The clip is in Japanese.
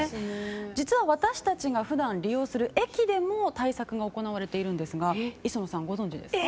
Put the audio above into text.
実は私たちが普段利用する駅でも対策が行われているんですが磯野さん、ご存じですか？